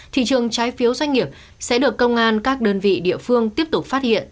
thị trường trái phiếu doanh nghiệp sẽ được công an các đơn vị địa phương tiếp tục phát hiện